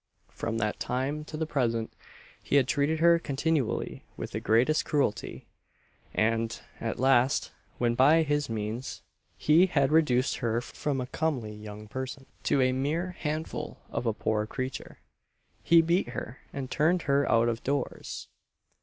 From that time to the present he had treated her continually with the greatest cruelty; and, at last, when by this means he had reduced her from a comely young person to a mere handful of a poor creature, he beat her, and turned her out of doors!